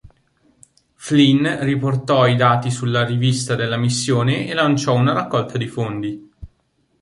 Flynn riportò i dati sulla rivista della Missione e lanciò una raccolta di fondi.